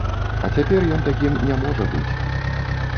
А цяпер ён такім не можа быць.